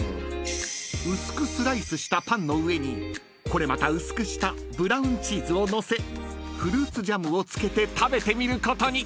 ［薄くスライスしたパンの上にこれまた薄くしたブラウンチーズを載せフルーツジャムを付けて食べてみることに］